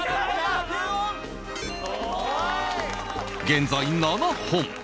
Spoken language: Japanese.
現在７本